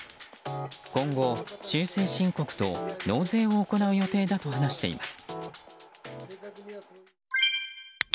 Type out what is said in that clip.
今後、修正申告と納税を行う予定だと話しています。